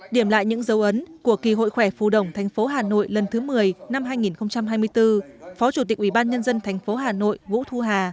điểm lại những dấu ấn của hội khỏe phu đồng tp hà nội là